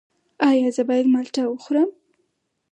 ایا زه باید مالټه وخورم؟